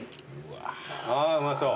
ああうまそう。